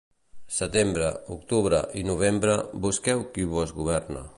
Setembre, octubre i novembre, busqueu qui vos governe.